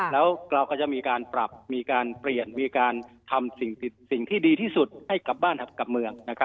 แล้วเราก็จะมีการปรับมีการเปลี่ยนมีการทำสิ่งที่ดีที่สุดให้กลับบ้านกลับเมือง